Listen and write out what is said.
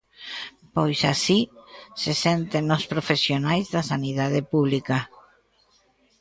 Pois así se senten os profesionais da sanidade pública.